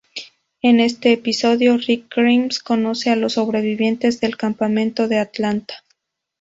En este episodio Rick Grimes conoce a los sobrevivientes del campamento de Atlanta.